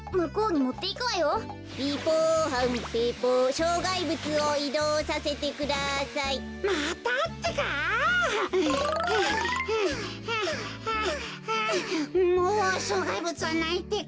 もうしょうがいぶつはないってか。